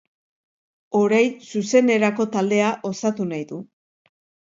Orain, zuzenerako taldea osatu nahi du.